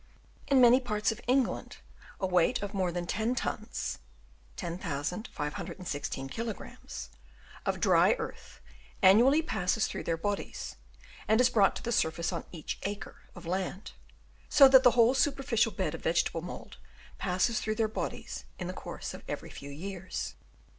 In many parts of England a weight of more than ten tons (10,516 kilogrammes) of dry earth annually passes through their bodies and is brought to the surface on each acre of land ; so that the whole superficial bed of vegetable mould passes through their bodies in the course of every few years.